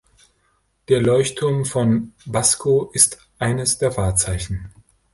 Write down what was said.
Der Leuchtturm von Basco ist eines der Wahrzeichen.